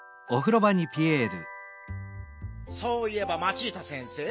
そういえばマチータ先生